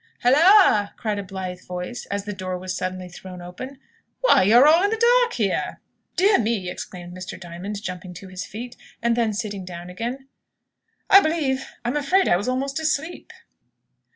"Hulloa!" cried a blithe voice, as the door was suddenly thrown open. "Why, you're all in the dark here!" "Dear me!" exclaimed Mr. Diamond, jumping to his feet, and then sitting down again, "I believe I'm afraid I was almost asleep!"